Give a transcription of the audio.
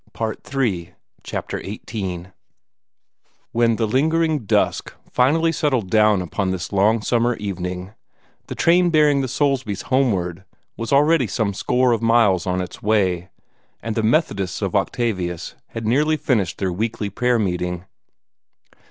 PART III CHAPTER XVIII When the lingering dusk finally settled down upon this long summer evening, the train bearing the Soulsbys homeward was already some score of miles on its way, and the Methodists of Octavius had nearly finished their weekly prayer meeting.